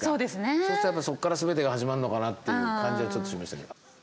そうするとそこから全てが始まるのかなという感じはちょっとしましたけど。